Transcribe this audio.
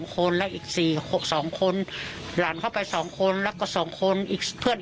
คนและอีก๒คนหลานเข้าไป๒คนแล้วก็๒คนอีกเพื่อน